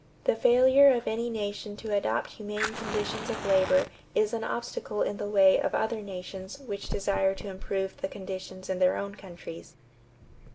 The failure of any nation to adopt humane conditions of labor is an obstacle in the way of other nations which desire to improve the conditions in their own countries."